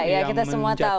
iya kita semua tahu